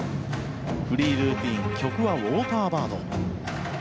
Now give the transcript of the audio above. フリールーティン曲は「ウォーターバード」。